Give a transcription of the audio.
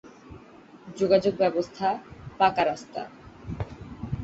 যোগাযোগ ব্যবস্থা পাঁকা রাস্তা।